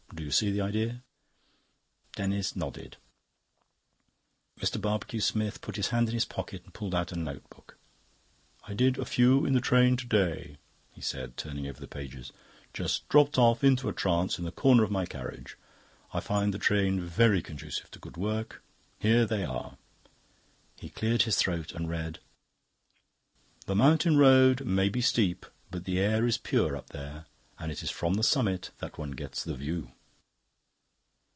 You see the idea?" Denis nodded. Mr. Barbecue Smith put his hand in his pocket and pulled out a notebook. "I did a few in the train to day," he said, turning over the pages. "Just dropped off into a trance in the corner of my carriage. I find the train very conducive to good work. Here they are." He cleared his throat and read: "The Mountain Road may be steep, but the air is pure up there, and it is from the Summit that one gets the view."